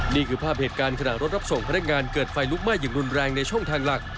นี่คือภาพเหตุการณ์ขณะรถรับส่งพนักงานเกิดไฟลุกไหม้อย่างรุนแรงในช่องทางหลัก